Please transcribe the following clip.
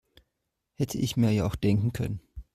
Hätte ich mir ja auch denken können.